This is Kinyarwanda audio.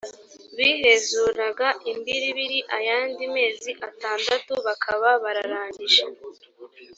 bihezuraga imbiribiri ayandi mezi atandatu bakaba bararangije